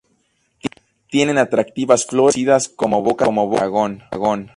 Tienen atractivas flores conocidas como "Boca de Dragón".